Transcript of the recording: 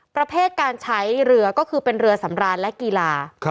ประเภทการใช้เรือก็คือเป็นเรือสำราญและกีฬา